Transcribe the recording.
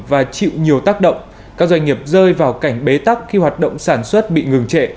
và chịu nhiều tác động các doanh nghiệp rơi vào cảnh bế tắc khi hoạt động sản xuất bị ngừng trệ